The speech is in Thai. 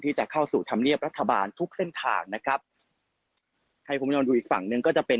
ที่จะเข้าสู่ธรรมเนียบรัฐบาลทุกเส้นทางนะครับให้คุณผู้ชมดูอีกฝั่งหนึ่งก็จะเป็น